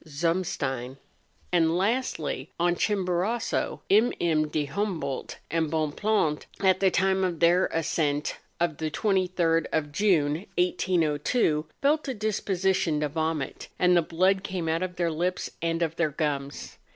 Zumstein; and lastly, on Chimborazo, MM. de Humboldt and Bon pland, at the time of their ascent of the 23rd of June, 1802, felt a disposition to vomit, and the blood came out of their lips and of their gums.